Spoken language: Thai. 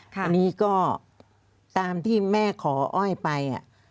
อันนี้ก็ตามที่แม่ขออ้อยไป